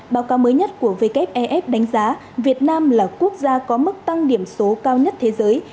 báo cáo mới nhất của wef đánh giá việt nam là quốc gia có mức tăng điểm số cao nhất thế giới